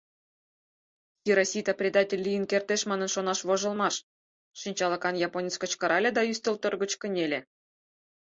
— Хиросита предатель лийын кертеш манын шонаш — вожылмаш! — шинчалыкан японец кычкырале да ӱстелтӧр гыч кынеле.